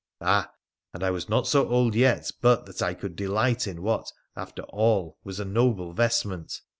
Ah ! and I was not so old yet but that I could delight in what, after all, was a noble vestment